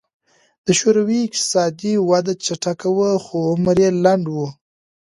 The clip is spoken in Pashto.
د شوروي اقتصادي وده چټکه وه خو عمر یې لنډ و